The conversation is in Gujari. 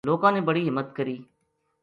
لوکاں نے بڑی ہمت کری